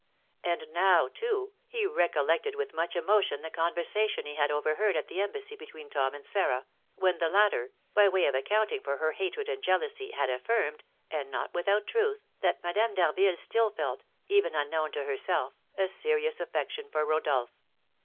And now, too, he recollected with much emotion the conversation he had overheard at the embassy between Tom and Sarah, when the latter, by way of accounting for her hatred and jealousy, had affirmed, and not without truth, that Madame d'Harville still felt, even unknown to herself, a serious affection for Rodolph.